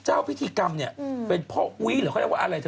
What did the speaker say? เจ้าพิธีกรรมเนี่ยเป็นพ่ออุ๊ยหรือเขาเรียกว่าอะไรเธอ